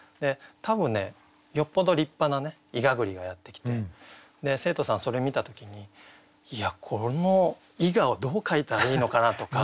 多分ねよっぽど立派な毬栗がやってきて生徒さんそれ見た時にいやこの毬をどう描いたらいいのかなとか。